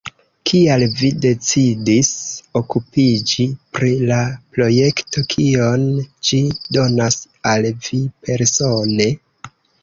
Kial vi decidis okupiĝi pri la projekto, kion ĝi donas al vi persone?